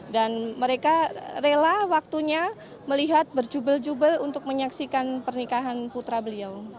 dan mereka rela waktunya melihat berjubel jubel untuk menyaksikan pernikahan putra beliau